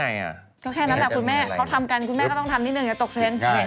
จะตกเทรนด์